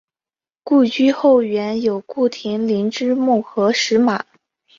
故居后园有顾亭林之墓和石马。